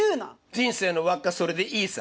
「人生の輪っかそれでいいさ」